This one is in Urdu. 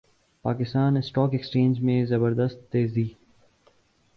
پاکستان اسٹاک ایکسچینج میں زبردست تیزی